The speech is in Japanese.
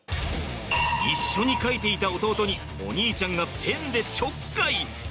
一緒に書いていた弟にお兄ちゃんがペンでちょっかい。